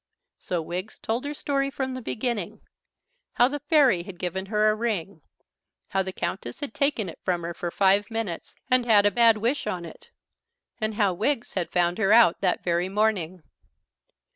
So Wiggs told her story from the beginning. How the fairy had given her a ring; how the Countess had taken it from her for five minutes and had a bad wish on it; and how Wiggs had found her out that very morning.